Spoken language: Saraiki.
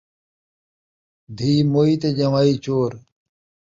دھی موئی تے ڄن٘وائی چور